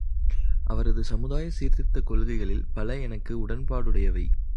அவரது சமுதாய சீர்திருத்தக் கொள்கைகளில் பல எனக்கு உடன்பாடுடையவை.